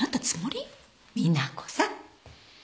美奈子さん。